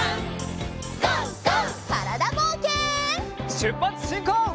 しゅっぱつしんこう！